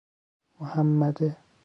محمده